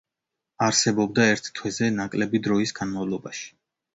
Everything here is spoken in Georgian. არსებობდა ერთ თვეზე ნაკლები დროის განმავლობაში.